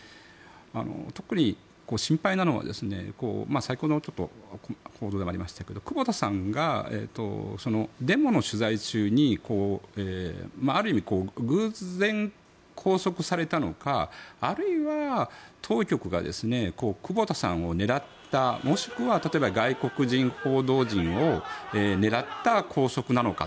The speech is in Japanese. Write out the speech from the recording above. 特に心配なのは先ほど、報道でもありましたけど久保田さんがデモの取材中にある意味、偶然拘束されたのかあるいは当局が久保田さんを狙ったもしくは、例えば外国人報道陣を狙った拘束なのか。